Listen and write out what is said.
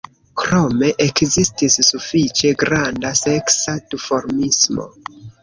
Krome ekzistis sufiĉe granda seksa duformismo.